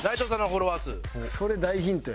それ大ヒントや。